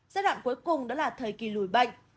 giai đoạn cuối cùng đó là thời kỳ lùi bệnh